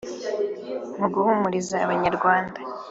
mu guhumuriza abanyarwanda